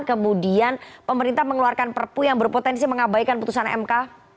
kemudian pemerintah mengeluarkan perpu yang berpotensi mengabaikan putusan mk